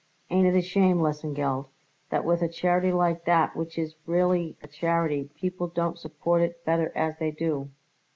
Ain't it a shame, Lesengeld, that with a charity like that which is really a charity, people don't support it better as they do?"